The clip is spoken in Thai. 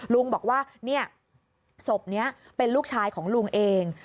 ลุงบอกว่าศพนี้เป็นลูกชายของลุงเอง